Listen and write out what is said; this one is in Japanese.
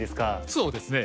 そうですね。